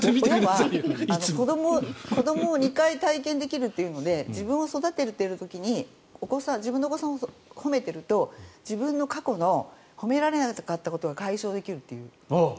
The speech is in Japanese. でも、子どもを２回体験できるというので自分が育てている時に自分のお子さんを褒めていると自分の過去の褒められなかったことが解消できるという。